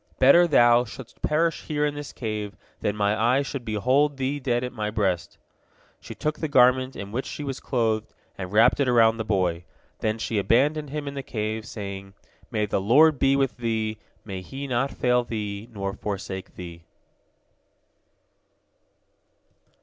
Better thou shouldst perish here in this cave than my eye should behold thee dead at my breast." She took the garment in which she was clothed, and wrapped it about the boy. Then she abandoned him in the cave, saying, "May the Lord be with thee, may He not fail thee nor forsake thee."